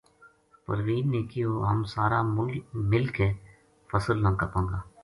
پروین نے کہیو ہم سارا مل کے فصل نا کَپاں گا